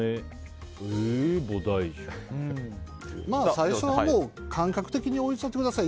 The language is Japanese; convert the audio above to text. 最初は感覚的に置いちゃってください。